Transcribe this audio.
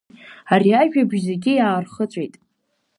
Ари ажәабжь зегьы иаархыҵәеит.